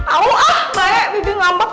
ah baik bibit ngambek